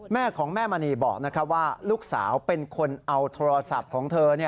แม่ของแม่มณีบอกว่าลูกสาวเป็นคนเอาโทรศัพท์ของเธอ